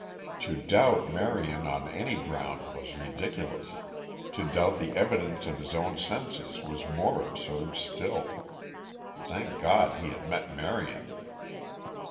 To doubt Marion on any ground was ridiculous; to doubt the evidence of his own senses was more absurd still. Thank God he had met Marion.